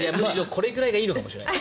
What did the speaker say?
これくらいがいいのかもしれない。